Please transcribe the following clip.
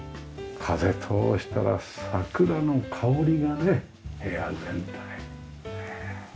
風通したら桜の香りがね部屋全体にねえ。